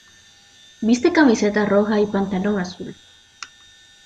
Viste camiseta roja y pantalón azul